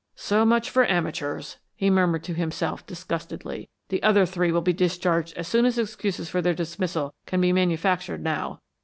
"So much for amateurs!" he murmured to himself, disgustedly. "The other three will be discharged as soon as excuses for their dismissal can be manufactured now.